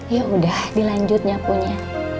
ya udah dilanjut nyapunya